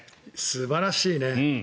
素晴らしいね。